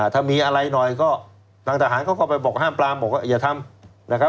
ถ้ามีอะไรหน่อยก็ทางทหารเข้าไปบอกห้ามปลามอย่าทำ